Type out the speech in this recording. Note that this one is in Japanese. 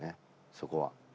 そこは。